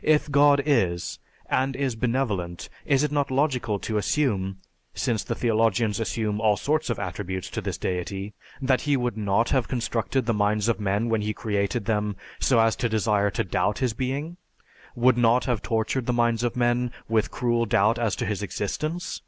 If God is, and is benevolent, is it not logical to assume (since the theologians assume all sorts of attributes to this deity) that he would not have constructed the minds of men when He created them so as to desire to doubt His being; would not have tortured the minds of men with cruel doubt as to His existence?